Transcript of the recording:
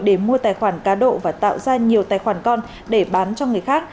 để mua tài khoản cá độ và tạo ra nhiều tài khoản con để bán cho người khác